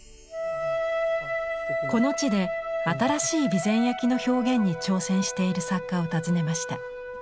この地で新しい備前焼の表現に挑戦している作家を訪ねました。